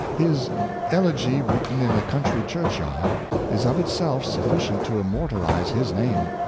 His " Elegy, written in a country church vard," is of itself sufficient to immortalize his name.